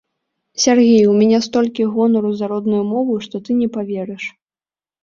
Сяргей, у мяне столькі гонару за родную мову, што ты не паверыш.